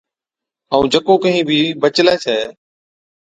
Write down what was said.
ائُون جڪو ڪهِين بِي بچلَي ڇَي